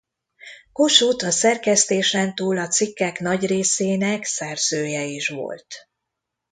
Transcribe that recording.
Kossuth a szerkesztésen túl a cikkek nagy részének szerzője is volt.